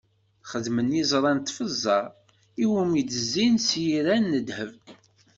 Xedmen iẓra n tefza iwumi i d-zzin s yiran n ddheb.